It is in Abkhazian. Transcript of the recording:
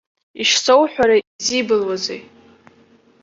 Ишсоуҳәара, изибылуазеи?